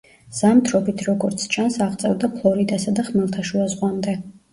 ზამთრობით, როგორც ჩანს, აღწევდა ფლორიდასა და ხმელთაშუა ზღვამდე.